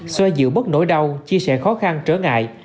xoa dự bất nỗi đau chia sẻ khó khăn trở ngại